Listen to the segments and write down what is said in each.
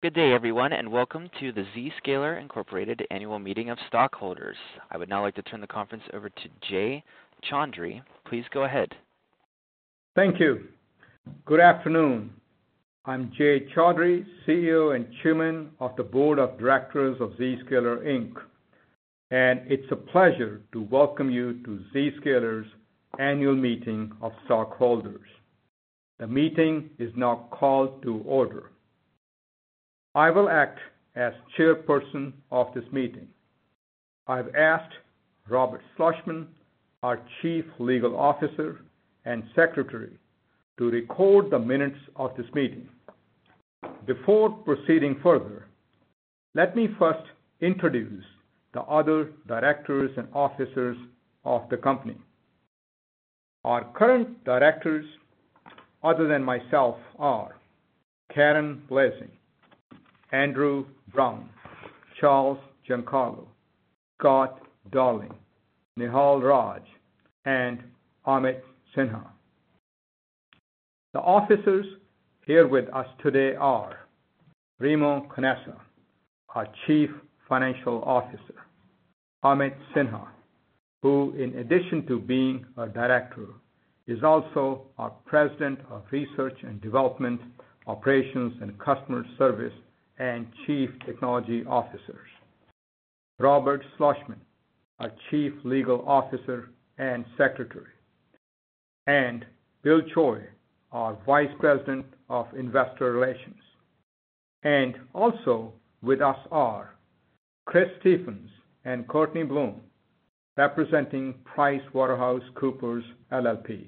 Good day, everyone, and welcome to the Zscaler Incorporated Annual Meeting of Stockholders. I would now like to turn the conference over to Jay Chaudhry. Please go ahead. Thank you. Good afternoon. I'm Jay Chaudhry, CEO and Chairman of the board of directors of Zscaler Inc. It's a pleasure to welcome you to Zscaler's Annual Meeting of Stockholders. The meeting is now called to order. I will act as Chairperson of this meeting. I've asked Robert Schlossman, our Chief Legal Officer and Secretary, to record the minutes of this meeting. Before proceeding further, let me first introduce the other directors and officers of the company. Our current directors, other than myself, are Karen Blasing, Andrew Brown, Charles Giancarlo, Scott Darling, Nehal Raj, and Amit Sinha. The officers here with us today are Remo Canessa, our Chief Financial Officer, Amit Sinha, who in addition to being a director, is also our President of research and development, operations and customer service, and Chief Technology Officer. Robert Schlossman, our Chief Legal Officer and Secretary. Bill Choi, our Vice President of Investor Relations. Also with us are Chris Stephens and Courtney Bloom, representing PricewaterhouseCoopers LLP.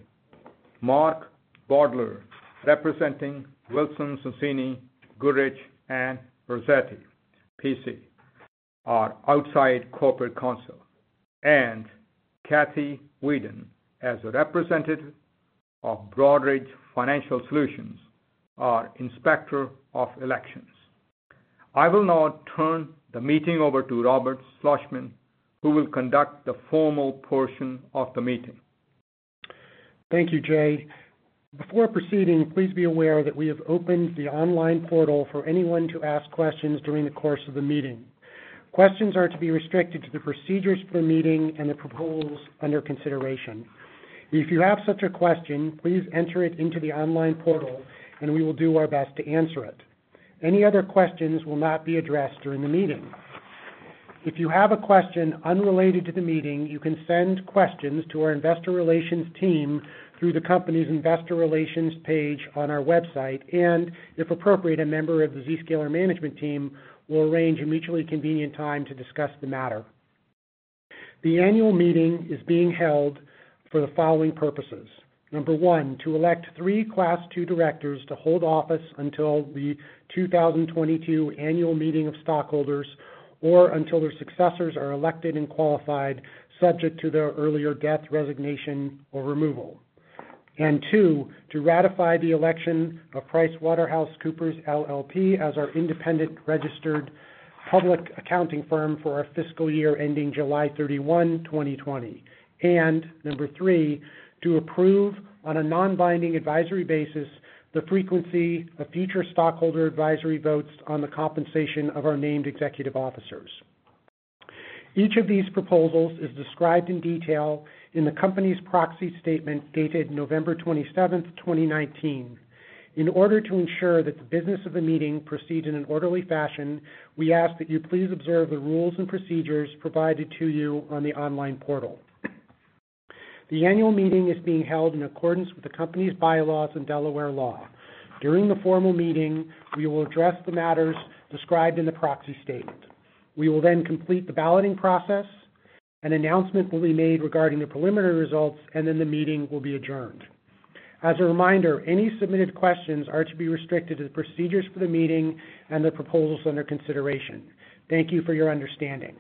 Mark Bordner, representing Wilson Sonsini Goodrich & Rosati, P.C., our outside corporate counsel. Cathy Weeden, as a representative of Broadridge Financial Solutions, our inspector of elections. I will now turn the meeting over to Robert Schlossman, who will conduct the formal portion of the meeting. Thank you, Jay. Before proceeding, please be aware that we have opened the online portal for anyone to ask questions during the course of the meeting. Questions are to be restricted to the procedures for the meeting and the proposals under consideration. If you have such a question, please enter it into the online portal, and we will do our best to answer it. Any other questions will not be addressed during the meeting. If you have a question unrelated to the meeting, you can send questions to our investor relations team through the company's investor relations page on our website, and, if appropriate, a member of the Zscaler management team will arrange a mutually convenient time to discuss the matter. The annual meeting is being held for the following purposes. Number one, to elect three class 2 directors to hold office until the 2022 annual meeting of stockholders or until their successors are elected and qualified, subject to their earlier death, resignation, or removal. Two, to ratify the election of PricewaterhouseCoopers as our independent registered public accounting firm for our fiscal year ending July 31, 2020. Number three, to approve on a non-binding advisory basis the frequency of future stockholder advisory votes on the compensation of our named executive officers. Each of these proposals is described in detail in the company's proxy statement dated November 27, 2019. In order to ensure that the business of the meeting proceed in an orderly fashion, we ask that you please observe the rules and procedures provided to you on the online portal. The annual meeting is being held in accordance with the company's bylaws and Delaware law. During the formal meeting, we will address the matters described in the proxy statement. We will then complete the balloting process, an announcement will be made regarding the preliminary results, and then the meeting will be adjourned. As a reminder, any submitted questions are to be restricted to the procedures for the meeting and the proposals under consideration. Thank you for your understanding.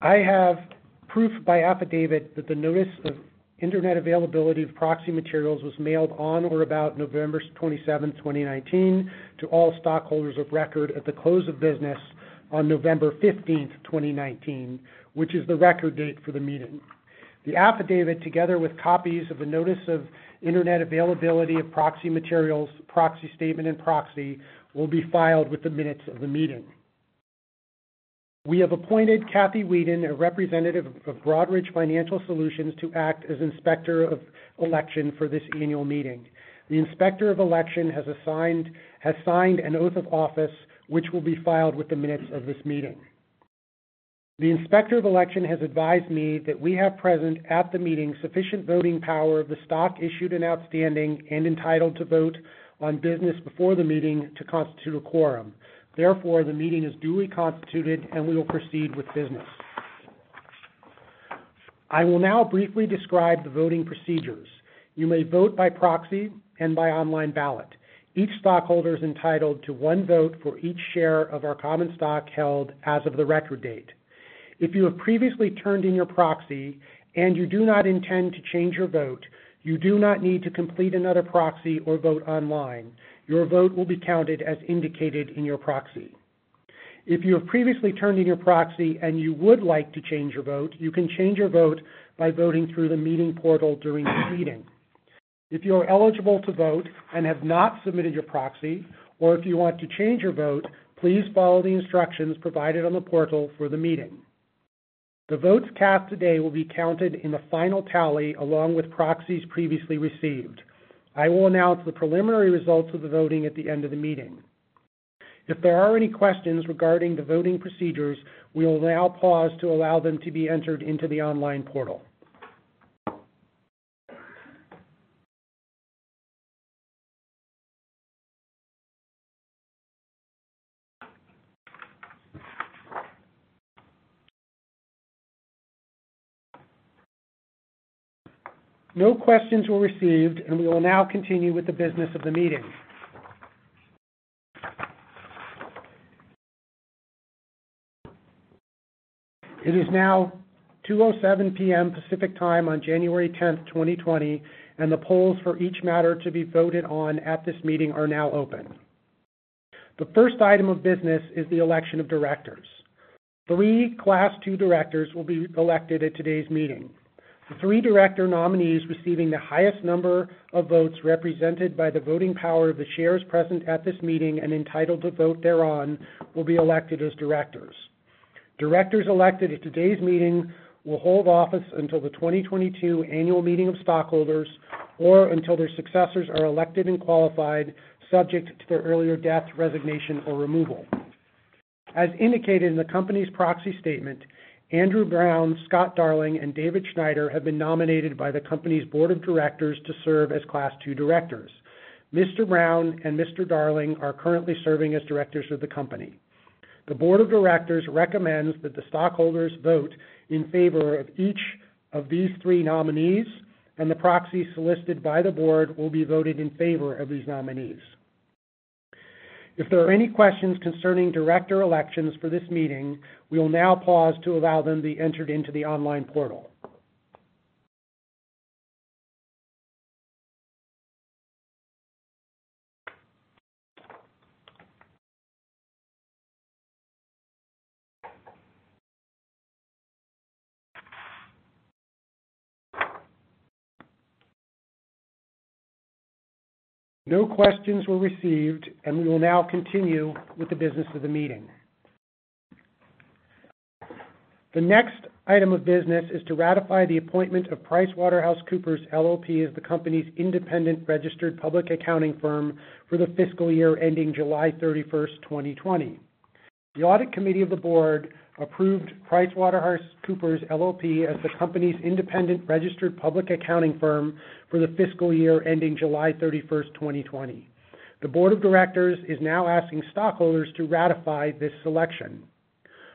I have proof by affidavit that the notice of internet availability of proxy materials was mailed on or about November 27th, 2019 to all stockholders of record at the close of business on November 15th, 2019, which is the record date for the meeting. The affidavit, together with copies of a notice of internet availability of proxy materials, proxy statement, and proxy, will be filed with the minutes of the meeting. We have appointed Cathy Weeden, a representative of Broadridge Financial Solutions, to act as inspector of election for this annual meeting. The inspector of election has signed an oath of office, which will be filed with the minutes of this meeting. The inspector of election has advised me that we have present at the meeting sufficient voting power of the stock issued and outstanding and entitled to vote on business before the meeting to constitute a quorum. Therefore, the meeting is duly constituted, and we will proceed with business. I will now briefly describe the voting procedures. You may vote by proxy and by online ballot. Each stockholder is entitled to one vote for each share of our common stock held as of the record date. If you have previously turned in your proxy and you do not intend to change your vote, you do not need to complete another proxy or vote online. Your vote will be counted as indicated in your proxy. If you have previously turned in your proxy and you would like to change your vote, you can change your vote by voting through the meeting portal during the meeting. If you are eligible to vote and have not submitted your proxy, or if you want to change your vote, please follow the instructions provided on the portal for the meeting. The votes cast today will be counted in the final tally along with proxies previously received. I will announce the preliminary results of the voting at the end of the meeting. If there are any questions regarding the voting procedures, we will now pause to allow them to be entered into the online portal. No questions were received. We will now continue with the business of the meeting. It is now 2:07 P.M. Pacific Time on January 10th, 2020. The polls for each matter to be voted on at this meeting are now open. The first item of business is the election of directors. Three Class 2 directors will be elected at today's meeting. The three director nominees receiving the highest number of votes represented by the voting power of the shares present at this meeting and entitled to vote thereon will be elected as directors. Directors elected at today's meeting will hold office until the 2022 Annual Meeting of Stockholders or until their successors are elected and qualified, subject to their earlier death, resignation, or removal. As indicated in the company's proxy statement, Andrew Brown, Scott Darling, and David Schneider have been nominated by the company's Board of Directors to serve as Class 2 directors. Mr. Brown and Mr. Darling are currently serving as directors of the company. The Board of Directors recommends that the stockholders vote in favor of each of these three nominees, and the proxies solicited by the Board will be voted in favor of these nominees. If there are any questions concerning director elections for this meeting, we will now pause to allow them to be entered into the online portal. No questions were received, and we will now continue with the business of the meeting. The next item of business is to ratify the appointment of PricewaterhouseCoopers LLP as the company's independent registered public accounting firm for the fiscal year ending July 31st, 2020. The Audit Committee of the Board approved PricewaterhouseCoopers LLP as the company's independent registered public accounting firm for the fiscal year ending July 31st, 2020. The Board of Directors is now asking stockholders to ratify this selection.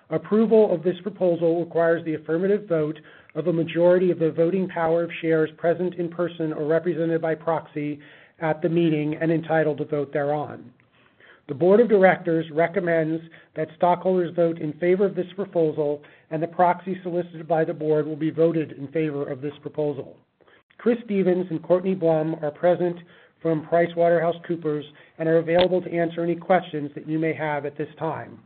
Approval of this proposal requires the affirmative vote of a majority of the voting power of shares present in person or represented by proxy at the meeting and entitled to vote thereon. The Board of Directors recommends that stockholders vote in favor of this proposal, and the proxies solicited by the Board will be voted in favor of this proposal. Chris Stephens and Courtney Bloom are present from PricewaterhouseCoopers and are available to answer any questions that you may have at this time.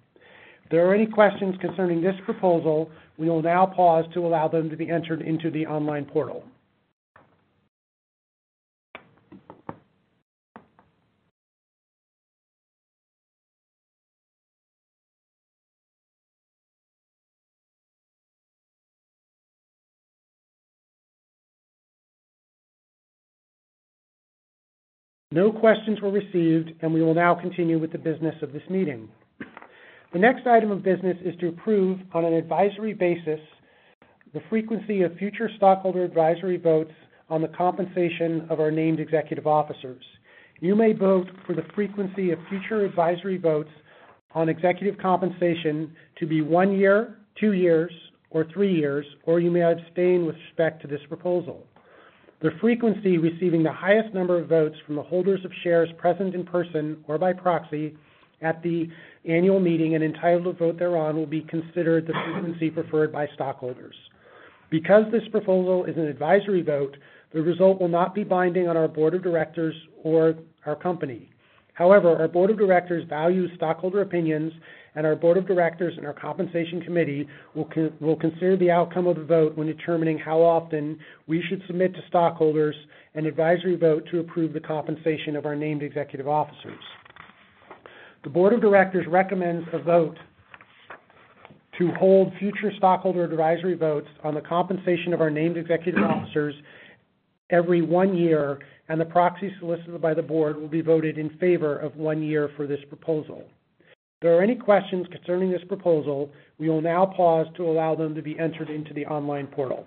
If there are any questions concerning this proposal, we will now pause to allow them to be entered into the online portal. No questions were received. We will now continue with the business of this meeting. The next item of business is to approve, on an advisory basis, the frequency of future stockholder advisory votes on the compensation of our named executive officers. You may vote for the frequency of future advisory votes on executive compensation to be one year, two years, or three years, or you may abstain with respect to this proposal. The frequency receiving the highest number of votes from the holders of shares present in person or by proxy at the annual meeting and entitled to vote thereon will be considered the frequency preferred by stockholders. Because this proposal is an advisory vote, the result will not be binding on our Board of Directors or our company. However, our Board of Directors values stockholder opinions, and our Board of Directors and our Compensation Committee will consider the outcome of the vote when determining how often we should submit to stockholders an advisory vote to approve the compensation of our named executive officers. The Board of Directors recommends a vote to hold future stockholder advisory votes on the compensation of our named executive officers every one year, and the proxies solicited by the Board will be voted in favor of one year for this proposal. If there are any questions concerning this proposal, we will now pause to allow them to be entered into the online portal.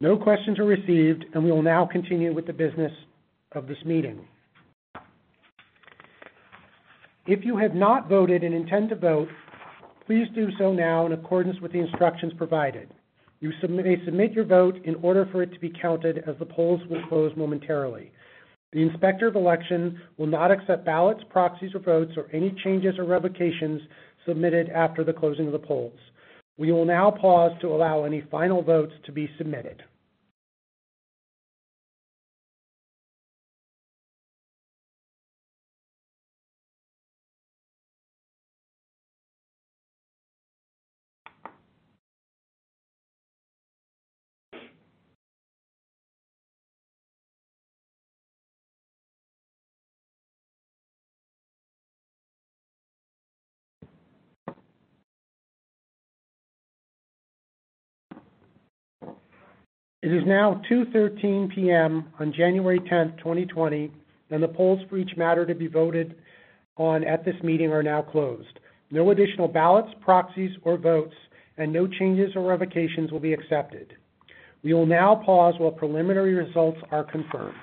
No questions are received, and we will now continue with the business of this meeting. If you have not voted and intend to vote, please do so now in accordance with the instructions provided. You may submit your vote in order for it to be counted as the polls will close momentarily. The Inspector of Election will not accept ballots, proxies or votes or any changes or revocations submitted after the closing of the polls. We will now pause to allow any final votes to be submitted. It is now 2:13 P.M. on January 10th, 2020, and the polls for each matter to be voted on at this meeting are now closed. No additional ballots, proxies, or votes, and no changes or revocations will be accepted. We will now pause while preliminary results are confirmed.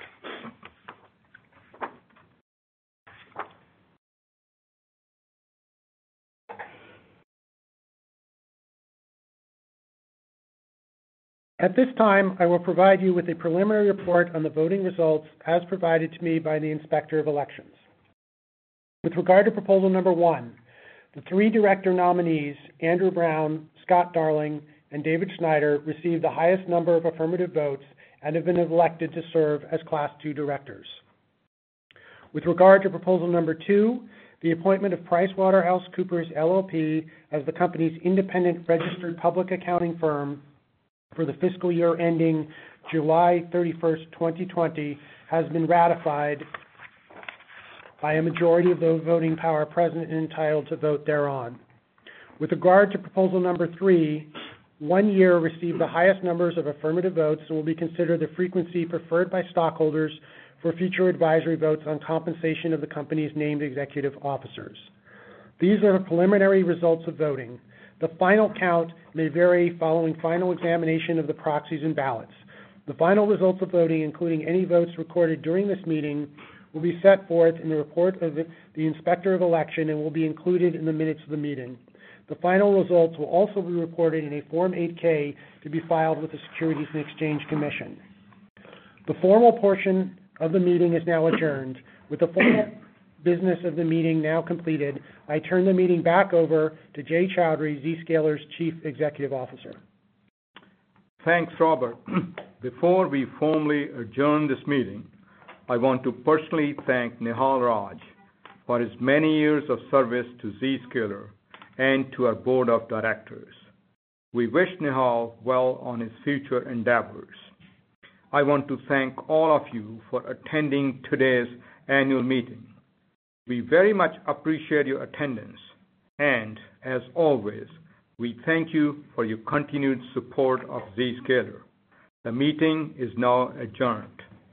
At this time, I will provide you with a preliminary report on the voting results as provided to me by the Inspector of Elections. With regard to proposal number one, the three director nominees, Andrew Brown, Scott Darling, and David Schneider, received the highest number of affirmative votes and have been elected to serve as Class II directors. With regard to proposal number two, the appointment of PricewaterhouseCoopers LLP as the company's independent registered public accounting firm for the fiscal year ending July 31st, 2020, has been ratified by a majority of those voting power present and entitled to vote thereon. With regard to proposal number three, one year received the highest numbers of affirmative votes and will be considered the frequency preferred by stockholders for future advisory votes on compensation of the company's named executive officers. These are the preliminary results of voting. The final count may vary following final examination of the proxies and ballots. The final results of voting, including any votes recorded during this meeting, will be set forth in the report of the Inspector of Election and will be included in the minutes of the meeting. The final results will also be recorded in a Form 8-K to be filed with the Securities and Exchange Commission. The formal portion of the meeting is now adjourned. With the formal business of the meeting now completed, I turn the meeting back over to Jay Chaudhry, Zscaler's Chief Executive Officer. Thanks, Robert. Before we formally adjourn this meeting, I want to personally thank Nehal Raj for his many years of service to Zscaler and to our board of directors. We wish Nehal well on his future endeavors. I want to thank all of you for attending today's annual meeting. We very much appreciate your attendance, and as always, we thank you for your continued support of Zscaler. The meeting is now adjourned.